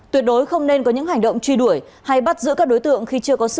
tuyệt đối không nên có những hành động truy đuổi hay bắt giữ các đối tượng khi chưa có sự